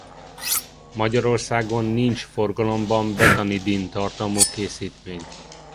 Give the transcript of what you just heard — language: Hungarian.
Magyarországon nincs forgalomban betanidin-tartalmú készítmény.